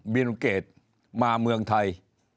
บินเกรดมาเมืองไทย